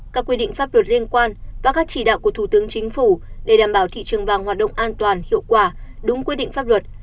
các quy định pháp luật liên quan và các chỉ đạo của thủ tướng chính phủ để đảm bảo thị trường vàng hoạt động an toàn hiệu quả đúng quy định pháp luật